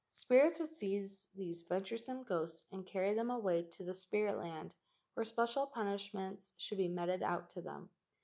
Spirits would seize these venturesome ghosts and carry them away to the spirit land, where special punishments should be meted out to them.